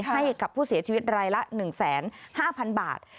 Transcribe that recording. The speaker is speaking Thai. ให้กับผู้เสียชีวิตรายละ๑๕๐๐๐บาท